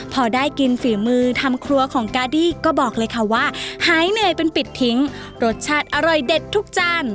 พอได้กินฝีมือทำครัวของกาดี้ก็บอกเลยค่ะว่าหายเหนื่อยเป็นปิดทิ้งรสชาติอร่อยเด็ดทุกจาน